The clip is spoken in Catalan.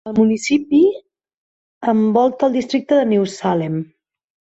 El municipi envolta el districte de New Salem.